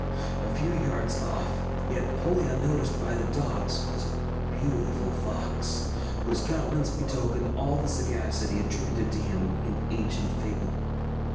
A few yards off, yet wholly unnoticed by the dogs, was a beautiful fox, whose countenance betokened all the sagacity attributed to him in ancient fable.